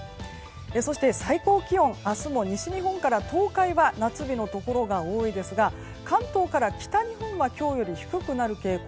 そして最高気温明日も西日本から東海は夏日のところが多いですが関東から北日本は今日より低くなる傾向。